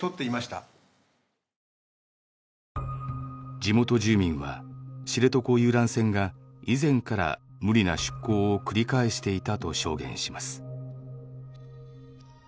地元住民は知床遊覧船が以前から無理な出航を繰り返していたと証言します。